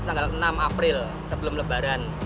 tanggal enam april sebelum lebaran